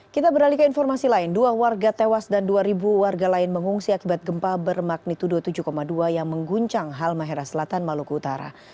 kita beralih ke informasi lain dua warga tewas dan dua warga lain mengungsi akibat gempa bermagnitudo tujuh dua yang mengguncang halmahera selatan maluku utara